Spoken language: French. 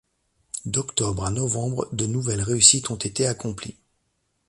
D'octobre à Novembre, de nouvelles réussites ont été accomplies.